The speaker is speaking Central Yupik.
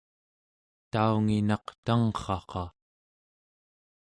taunginaq tangrraqa